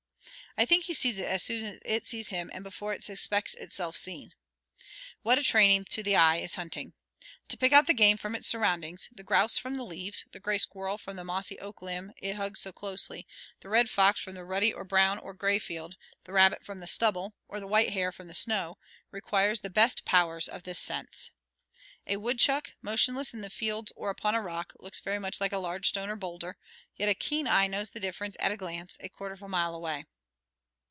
I think he sees it as soon as it sees him and before it suspects itself seen. What a training to the eye is hunting! To pick out the game from its surroundings, the grouse from the leaves, the gray squirrel from the mossy oak limb it hugs so closely, the red fox from the ruddy or brown or gray field, the rabbit from the stubble, or the white hare from the snow requires the best powers of this sense. A woodchuck, motionless in the fields or upon a rock, looks very much like a large stone or bowlder, yet a keen eye knows the difference at a glance, a quarter of a mile away.